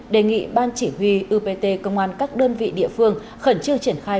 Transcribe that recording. đề nghị ban chỉ huy upt công an các đơn vị địa phương khẩn trương triển khai